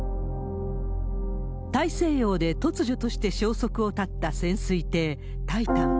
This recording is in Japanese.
大西洋で突如として消息を絶った潜水艇タイタン。